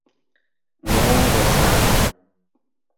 Muongo sana.